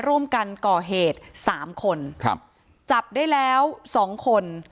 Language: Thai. ร่วมกันก่อเหตุ๓คนจับได้แล้ว๒คน